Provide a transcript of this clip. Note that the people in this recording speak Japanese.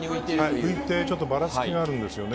浮いてちょっとばらつきがあるんですよね。